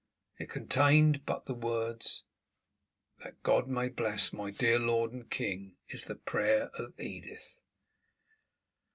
It contained but the words: "_That God may bless my dear lord and king is the prayer of Edith.